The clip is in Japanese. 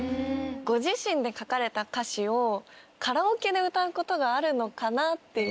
ご自身で書かれた歌詞をカラオケで歌うことがあるのかな？っていう。